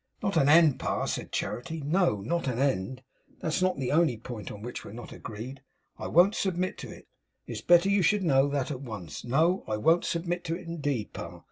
'Not an end, Pa,' said Charity. 'No, not an end. That's not the only point on which we're not agreed. I won't submit to it. It's better you should know that at once. No; I won't submit to it indeed, Pa!